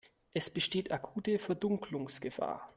Es besteht akute Verdunkelungsgefahr.